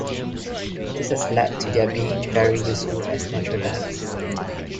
This has led to their being very useful as natural dyes.